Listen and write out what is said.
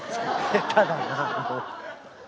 下手だなもう。